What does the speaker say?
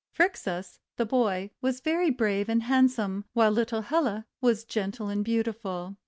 Phrixus, the boy, was very brave and handsome, while little Helle was gentle and beautiful.